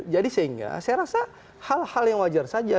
jadi sehingga saya rasa hal hal yang wajar saja